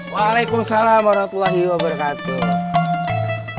waalaikumsalam warahmatullahi wabarakatuh